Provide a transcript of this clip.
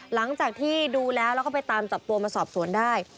หลังจากที่ดูแล้วแล้วก็ไปตามจับตัวมาสอบสวนได้